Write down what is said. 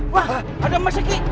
wah ada emasnya ki